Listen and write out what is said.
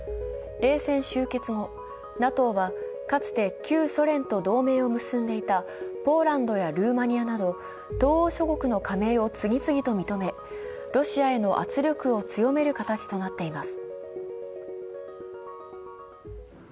冷静終結後、ＮＡＴＯはかつて旧ソ連と同盟を結んでいたポーランドやルーマニアなど、東欧諸国の加盟を次々と認めロシアへの圧力を強める形となっています。